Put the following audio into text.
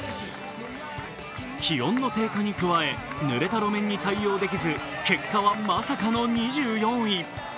気温の低下に加え、ぬれた路面に対応できず結果はまさかの２４位。